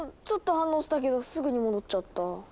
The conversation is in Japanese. ちょっと反応したけどすぐに戻っちゃった。